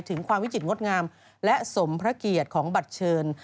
ถึงความวิจิตรงดงามและสมพระเกียรติของบัตรเชิญ